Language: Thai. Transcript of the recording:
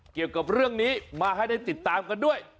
เกี่ยวกับเรื่องนี้มาให้ได้ติดตามกันด้วย